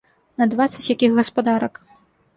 На дваццаць якіх гаспадарак!